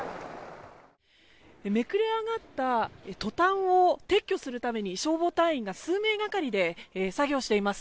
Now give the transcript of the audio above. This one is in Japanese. めくれ上がったトタンを撤去するために消防隊員が数名がかりで作業しています。